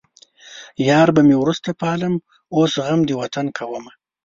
يار به مې وروسته پالم اوس غم د وطن کومه